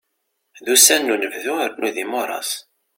D ussan n unebdu rnu d imuras.